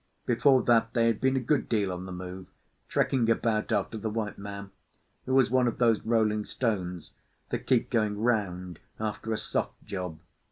Before that they had been a good deal on the move, trekking about after the white man, who was one of those rolling stones that keep going round after a soft job.